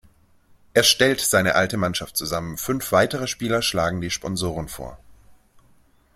Er stellt seine alte Mannschaft zusammen; fünf weitere Spieler schlagen die Sponsoren vor.